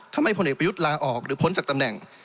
พลเอกประยุทธ์ลาออกหรือพ้นจากตำแหน่ง